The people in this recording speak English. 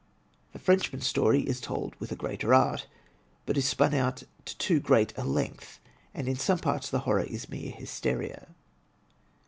The Frenchman's story is told with a greater art, but is spim out to too great a lengthy and in some parts the horror is mere hysteria.